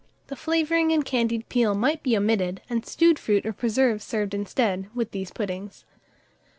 The flavouring and candied peel might be omitted, and stewed fruit or preserve served instead, with these puddings.